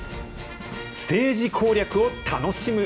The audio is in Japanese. ステージ攻略を楽しむ。